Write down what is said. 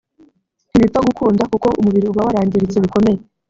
ntibipfa gukunda kuko umubiri uwa warangiritse bikomeye